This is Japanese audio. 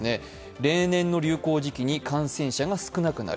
例年の流行時期に感染者が少なくなる。